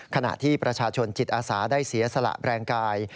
ขณะที่ประชาชนจิตอาสาได้เสียสละแรงกาย